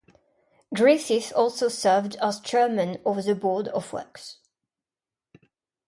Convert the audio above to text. Griffith also served as Chairman of the Board of Works.